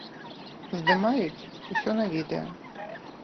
Здымаюць усё на відэа.